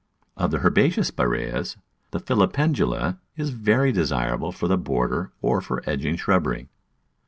Of the herbaceous Spiraeas the filipen dula is very desirable for the border or for edging shrubbery.